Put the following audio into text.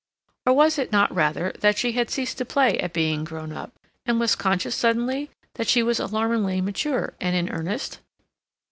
Or was it not rather that she had ceased to play at being grown up, and was conscious, suddenly, that she was alarmingly mature and in earnest?